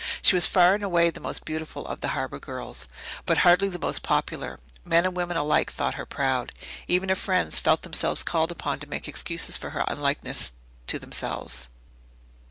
She was far and away the most beautiful of the harbour girls, but hardly the most popular. Men and women alike thought her proud. Even her friends felt themselves called upon to make excuses for her unlikeness to themselves.